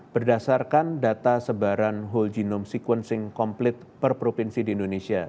berdasarkan data sebaran whole genome sequencing complete per provinsi di indonesia